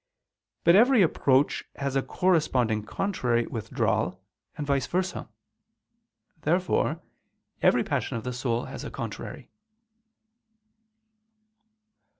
But every approach has a corresponding contrary withdrawal, and vice versa. Therefore every passion of the soul has a contrary.